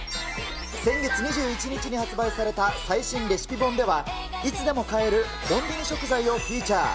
先月２１日に発売された最新レシピ本では、いつでも買えるコンビニ食材をフィーチャー。